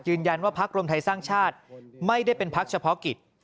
พักรวมไทยสร้างชาติไม่ได้เป็นพักเฉพาะกิจ